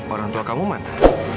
orang tua kamu mana